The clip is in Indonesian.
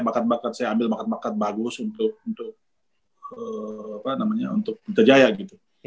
makad makad saya ambil makad makad bagus untuk berita jaya gitu